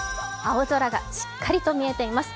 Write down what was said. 青空がしっかりと見えています。